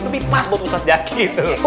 itu lebih pas buat ustaz zaky tuh